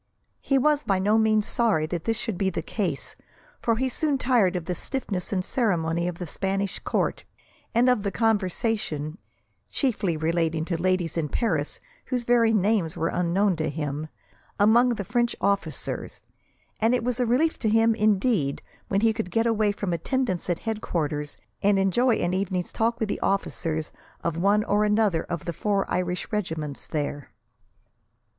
He was by no means sorry that this should be the case, for he soon tired of the stiffness and ceremony of the Spanish Court, and of the conversation (chiefly relating to ladies in Paris, whose very names were unknown to him) among the French officers, and it was a relief to him, indeed, when he could get away from attendance at headquarters, and enjoy an evening's talk with the officers of one or other of the four Irish regiments there.